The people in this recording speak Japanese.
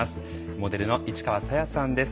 モデルの市川紗椰さんです。